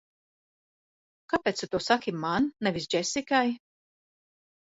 Kāpēc tu to saki man, nevis Džesikai?